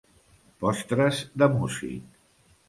Postres de músic.